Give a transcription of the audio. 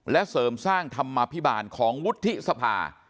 และเสริมสร้างธรรมภิบาลของวุฒิสภา